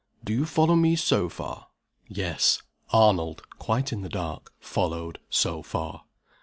Do you follow me, so far?" Yes. Arnold (quite in the dark) followed, so far.